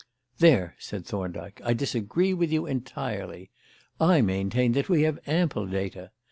"There," said Thorndyke, "I disagree with you entirely. I maintain that we have ample data.